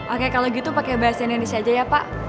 oke kalau gitu pakai bahasa indonesia aja ya pak